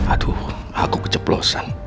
aduh aku keceplosan